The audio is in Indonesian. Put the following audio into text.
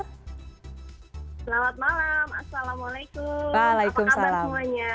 selamat malam assalamualaikum apa kabar semuanya